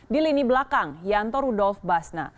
di lini belakang yanto rudolf basna